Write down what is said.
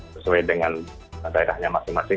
sesuai dengan daerahnya masing masing